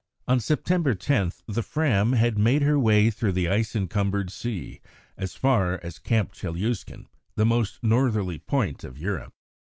On September 10 the Fram had made her way through the ice encumbered sea as far as Cape Chelyuskin, the most northerly point of Europe.